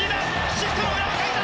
シフトの裏をかいた！